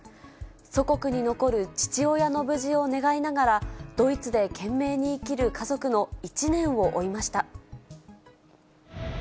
祖国に残る父親の無事を願いながら、ドイツで懸命に生きる家族の一年を追いました。